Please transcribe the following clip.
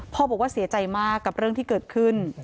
บอกว่าเสียใจมากกับเรื่องที่เกิดขึ้น